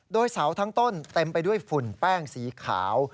โดยเสาทั้งต้นเต็มไปด้วยฝุ่นแป้งสีขาว